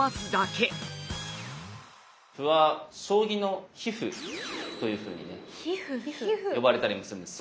歩は将棋の皮ふというふうにね呼ばれたりもするんです。